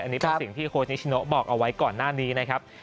อันนี้เป็นสิ่งที่โค้ชนิชโนบอกเอาไว้ก่อนหน้านี้นะครับ